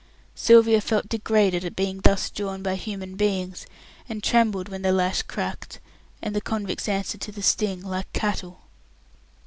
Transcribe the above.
Sylvia felt degraded at being thus drawn by human beings, and trembled when the lash cracked, and the convicts answered to the sting like cattle.